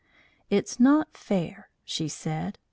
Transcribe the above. "It's not fair," she said.